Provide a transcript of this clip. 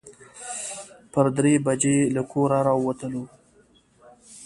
پر درې بجې له کوره راووتلو.